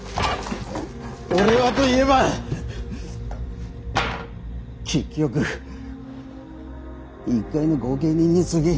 俺はといえば結局一介の御家人にすぎん。